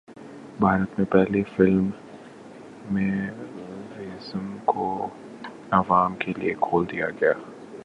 بھارت میں پہلے film museum کو عوام کے لیے کھول دیا گیا